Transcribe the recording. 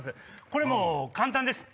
これもう簡単です。